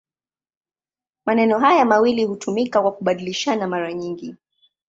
Maneno haya mawili hutumika kwa kubadilishana mara nyingi.